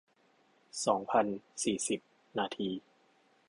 สองพันสี่สิบ นาที